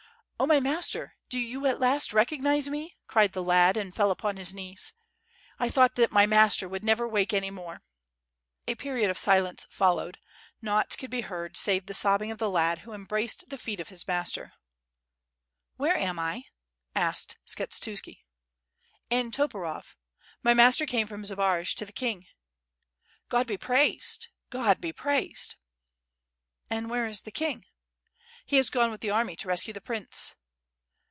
"Oh, my master, do you at last recognize me?" cried the lad, and fell upon his knees. "I thought that my master would never wake any more." ... A period of silence followed, naught could be heard save the sobbing of the lad, who embraced the feet of his master. 800 WITH FIRE AND SWORD, gox ''Where am I?'' asked Skshetuski. '*ln Toporov .... my master came from Zbaraj to the king." ... "God be praised, God be praised!" "And where is the king?" "He has gone with the army to rescue the prince."